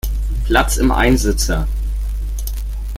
Platz im Einsitzer.